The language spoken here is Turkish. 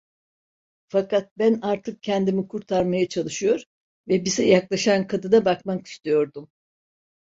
Fakat ben artık kendimi kurtarmaya çalışıyor ve bize yaklaşan kadına bakmak istiyordum.